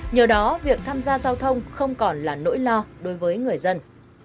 nhờ đó việc tham gia giao thông không còn là nỗi lo đối với người dân